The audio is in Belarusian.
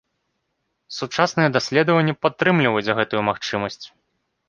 Сучасныя даследаванні падтрымліваюць гэтую магчымасць.